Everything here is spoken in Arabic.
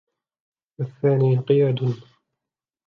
وَالثَّانِي انْقِيَادٌ